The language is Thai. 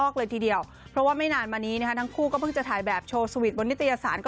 ช่วงนี้คือเราก็ต่างคนต่างมีหน้าที่ที่ต้องรับผิดชอบอะไรอย่างนี้